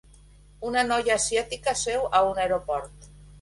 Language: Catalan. Una noia asiàtica seu a un aeroport.